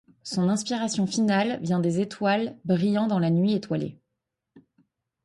Son inspiration finale vient des étoiles brillant dans la nuit étoilée.